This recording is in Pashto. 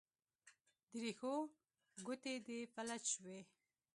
د رېښو ګوتې دې فلج شوي